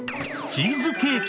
チーズケーキ？